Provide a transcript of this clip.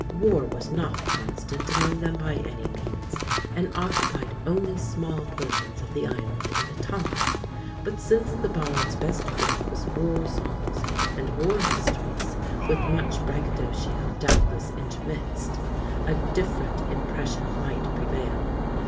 War was not constant among them by any means, and occupied only small portions of the island at a time, but, since the bards' best work was war songs and war histories, with much braggadocio doubtless intermixed, a different impression might prevail.